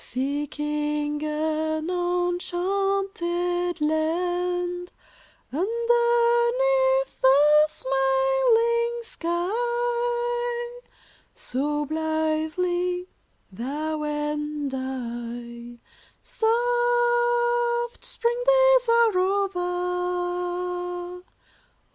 Seeking an enchanted land Underneath a smiling sky, So blithely — thou and I ! Soft spring days are over